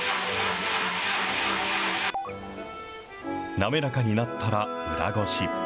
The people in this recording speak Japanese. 滑らかになったら裏ごし。